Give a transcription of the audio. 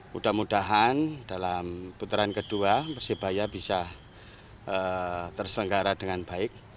mudah mudahan dalam putaran kedua persebaya bisa terselenggara dengan baik